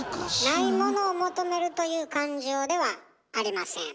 ないものを求めるという感情ではありません。